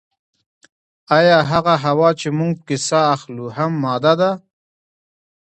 ایا هغه هوا چې موږ پکې ساه اخلو هم ماده ده